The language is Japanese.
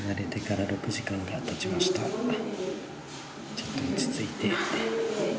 ちょっと落ち着いて。